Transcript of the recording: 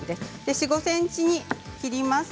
４、５ｃｍに切ります。